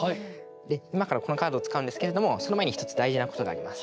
で今からこのカードを使うんですけれどもその前に１つ大事なことがあります。